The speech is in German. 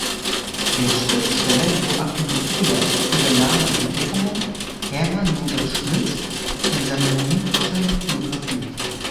Der Schriftsteller Joachim Köhler übernahm die Entdeckungen Hermann Josef Schmidts in seine Nietzsche-Biographie.